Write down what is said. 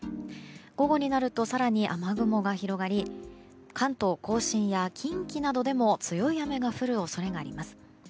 午後になると更に雨雲が広がり関東・甲信や近畿などでも強い雨が降る恐れがあります。